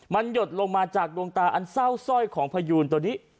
มันหยดลงมาจากดวงตาอันเศร้าสร้อยของพยูนตัวนี้